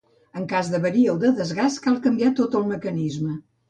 En cas d'avaria o de desgast cal canviar tot el mecanisme.